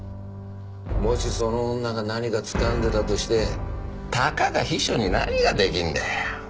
もしその女が何かつかんでたとしてたかが秘書に何ができるんだよ。